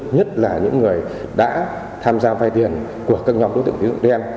nhất là những người đã tham gia vay tiền của các nhóm đối tượng tín dụng đen